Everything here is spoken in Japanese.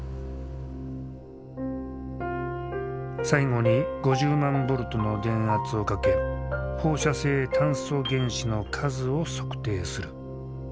最後に５０万ボルトの電圧をかけ放射性炭素原子の数を測定する。